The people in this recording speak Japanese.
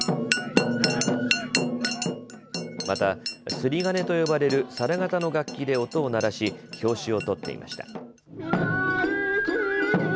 また、摺鉦と呼ばれる皿形の楽器で音を鳴らし拍子を取っていました。